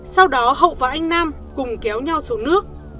sau đó hậu và anh nam cùng kéo nhau xuống nước